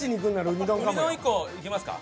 ウニ丼１個いきますか？